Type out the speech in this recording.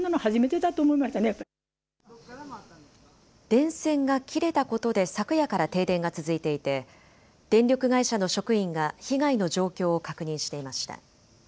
電線が切れたことで昨夜から停電が続いていて電力会社の職員が被害の状況を確認していました。